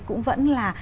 cũng vẫn là